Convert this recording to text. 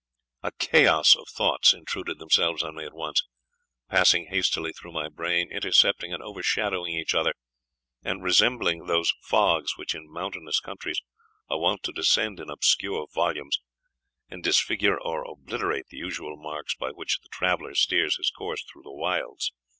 A chaos of thoughts intruded themselves on me at once, passing hastily through my brain, intercepting and overshadowing each other, and resembling those fogs which in mountainous countries are wont to descend in obscure volumes, and disfigure or obliterate the usual marks by which the traveller steers his course through the wilds.